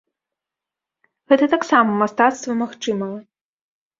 Гэта таксама мастацтва магчымага.